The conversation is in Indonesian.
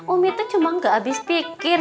umi tuh cuma gak abis pikir